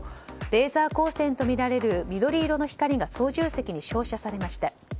レーザー光線とみられる緑色の光が操縦席に照射されました。